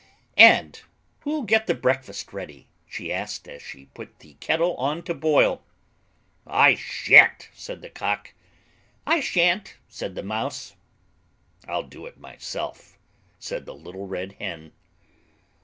"And who'll get the breakfast ready?" she asked, as she put the kettle on to boil. "I shan't," said the Cock. "I shan't," said the Mouse. "I'll do it myself," said the little Red Hen.